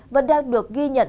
vẫn đang được ghi nhận